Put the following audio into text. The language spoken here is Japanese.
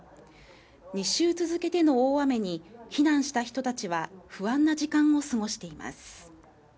２週続けての大雨に避難した人たちは不安な時間を過ごしています。